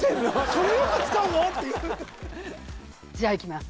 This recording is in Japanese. それよく使うのっていうじゃいきます